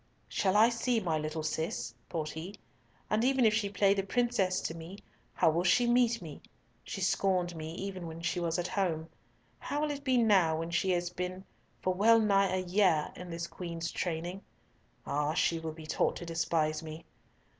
"Shall I see my little Cis?" thought he. "And even if she play the princess to me, how will she meet me? She scorned me even when she was at home. How will it be now when she has been for well nigh a year in this Queen's training? Ah! she will be taught to despise me!